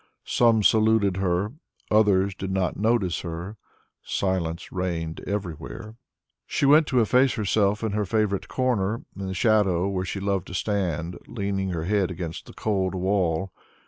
Some saluted her, others did not notice her. Silence reigned everywhere. She went to efface herself in her favourite corner, in the shadow where she loved to stand, leaning her head against the cold wall.